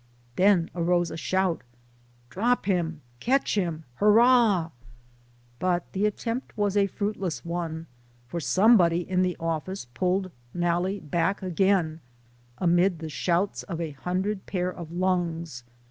Then arose a shout !" Drop him !"" Catch him !"" Hurrah !" But the attempt was a fruitless one, for somebody in the office pulled Nalle back again, amid the shouts of a hundred pair of lungs.